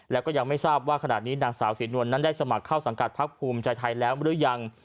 แล้วก็ยังไม่ทราบว่าขณะนี้นางสาวศรีนวลนั้นได้สมัครเข้าสังกัดพักภูมิใจไทยแล้วหรือยัง